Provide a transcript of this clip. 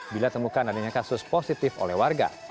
bila temukan adanya kasus positif oleh warga